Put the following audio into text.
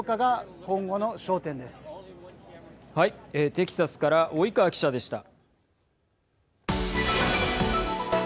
テキサスから及川記者でした。